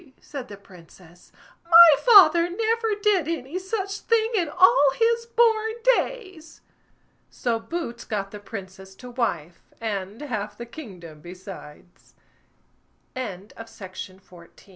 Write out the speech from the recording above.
said the Princess; "my father never did any such thing in all his born days!" So Boots got the Princess to wife, and half the kingdom besides. THE TWELVE WILD DUCKS On